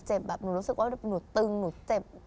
แบบหนูรู้สึกว่าหนูตึงหนูเจ็บ